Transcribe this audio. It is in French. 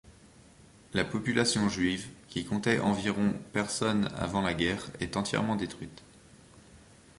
La population juive, qui comptait environ personnes avant la guerre est entièrement détruite.